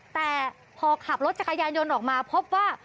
แต่พอขับรถจักรยานยนต์ออกมาพบว่า